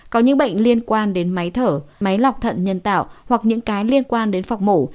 có những bệnh liên quan đến máy thở máy lọc thận nhân tạo hoặc những cái liên quan đến phòng mổ